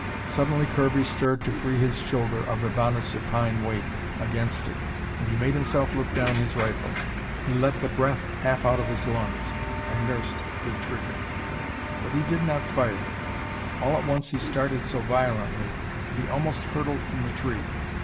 Suddenly Kirby stirred to free his shoulder of Ivana's supine weight against it, and he made himself look down his rifle. He let the breath half out of his lungs, and nursed the trigger. But he did not fire. All at once he started so violently that he almost hurtled from the tree.